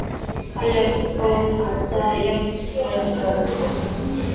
აი, აქ რვა ათეული და, აი, აქ ცხრა ერთეული.